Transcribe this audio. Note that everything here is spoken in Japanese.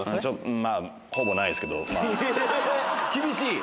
まあ、ほぼないですけど、厳しい。